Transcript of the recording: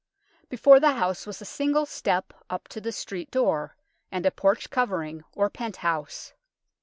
Before the house was a single step up to the street door, and a porch covering, or penthouse.